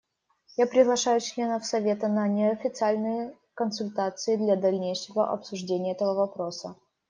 Я приглашаю членов Совета на неофициальные консультации для дальнейшего обсуждения этого вопроса.